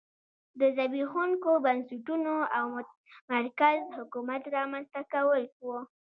د زبېښونکو بنسټونو او متمرکز حکومت رامنځته کول و